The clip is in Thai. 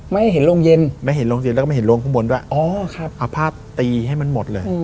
ไม่ให้เห็นโรงเย็นแล้วก็ไม่เห็นโรงข้างบนด้วยเอาผ้าตีให้มันหมดเลย